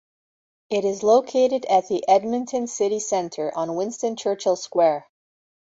It is located at the Edmonton City Centre, on Winston Churchill Square.